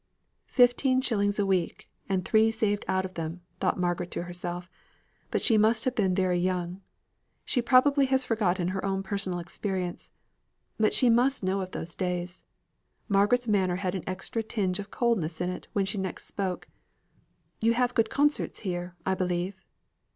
"Fifteen shillings a week, and three saved out of them!" thought Margaret to herself. "But she must have been very young. She probably has forgotten her own personal experience. But she must know of those days." Margaret's manner had an extra tinge of coldness in it when she next spoke. "You have good concerts here, I believe."